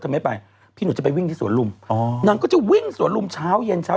ไม่ไปพี่หนูจะไปวิ่งที่สวนลุมอ๋อนางก็จะวิ่งสวนลุมเช้าเย็นเช้า